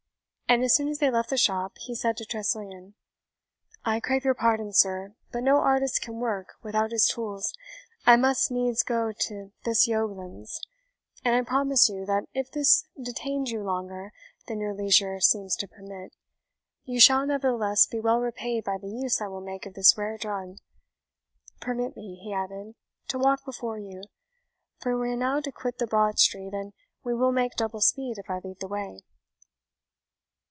And as soon as they left the shop, he said to Tressilian, "I crave your pardon, sir, but no artist can work without his tools. I must needs go to this Yoglan's; and I promise you, that if this detains you longer than your leisure seems to permit, you shall, nevertheless, be well repaid by the use I will make of this rare drug. Permit me," he added, "to walk before you, for we are now to quit the broad street and we will make double speed if I lead the way."